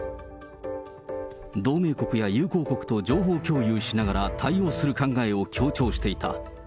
同盟国や友好国と情報共有しながら対応する考えを強調していた。